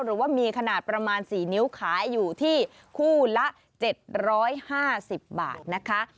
หรือว่ามีขนาดประมาณ๔นิ้วขายอยู่ที่คู่ละ๗๕๐บาทนะคะ